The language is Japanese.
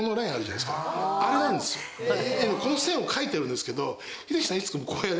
「Ａ」のこの線を書いてるんですけど。